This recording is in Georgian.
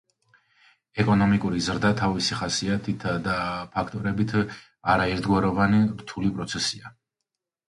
ეკონომიკური ზრდა, თავისი ხასიათითა და ფაქტორებით, არაერთგვაროვანი, რთული პროცესია.